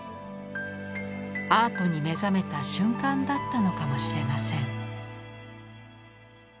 アートに目覚めた瞬間だったのかもしれません。